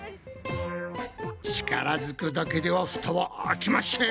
力ずくだけではフタは開きましぇん。